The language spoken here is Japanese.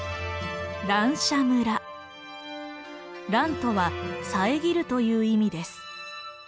「」とはさえぎるという意味です。